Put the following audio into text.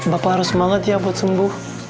bapak harus semangat ya buat sembuh